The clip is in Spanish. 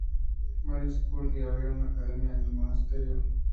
Mary's School y abrieron una academia en el monasterio.